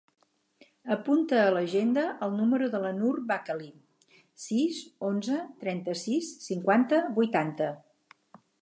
Apunta a l'agenda el número de la Nur Bakkali: sis, onze, trenta-sis, cinquanta, vuitanta.